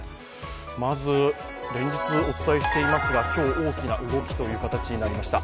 まず、連日お伝えしていますが今日、大きな動きという形になりました。